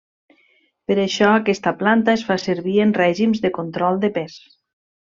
Per això aquesta planta es fa servir en règims de control de pes.